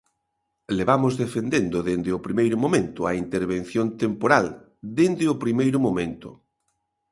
Levamos defendendo dende o primeiro momento a intervención temporal, dende o primeiro momento.